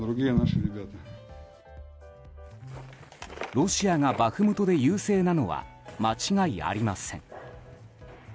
ロシアがバフムトで優勢なのは間違いありません。